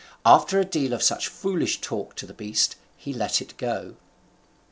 After a deal of such foolish talk to the beast, he let it go.